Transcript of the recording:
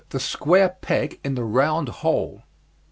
THE SQUARE PEG IN THE ROUND HOLE.